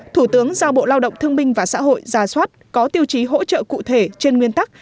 thủ tướng giao bộ lao động thương minh và xã hội ra soát có tiêu chí hỗ trợ cụ thể trên nguyên tắc